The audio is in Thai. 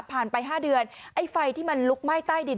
ผ่านไปห้าเดือนไฟที่มันลุกไหม้ใต้ดิน